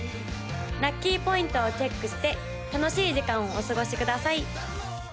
ラッキーポイントをチェックして楽しい時間をお過ごしください！